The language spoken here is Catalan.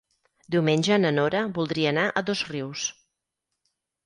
Diumenge na Nora voldria anar a Dosrius.